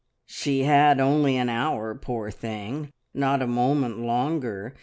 "She had only an hour, poor thing, not a moment longer!